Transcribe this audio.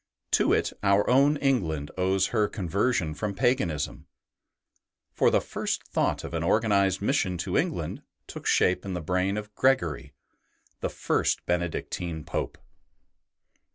To it our own England owes her conversion from paganism, for the first thought of an organized mission to England took shape in the brain of Gregory, the first Benedictine Pope.